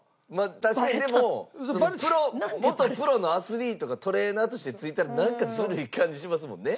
確かにでも元プロのアスリートがトレーナーとしてついたらなんかずるい感じしますもんね。